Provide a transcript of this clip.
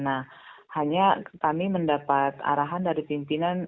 nah hanya kami mendapat arahan dari pimpinan